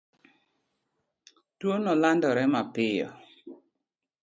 Tuwono landore mapiyo.